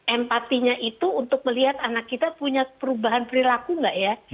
empatinya itu untuk melihat anak kita punya perubahan perilaku nggak ya